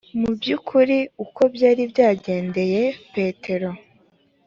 mu byu ukuri uko byari byagendekeye petero